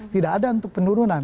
tidak ada untuk penurunan